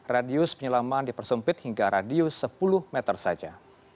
radius penyelamahan dipersumpit hingga radius sepuluh meter saja